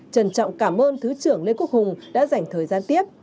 trân trọng cảm ơn thứ trưởng lê quốc hùng đã dành thời gian tiếp